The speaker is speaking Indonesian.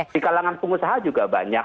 di kalangan pengusaha juga banyak